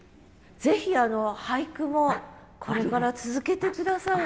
ぜひ俳句もこれから続けて下さい。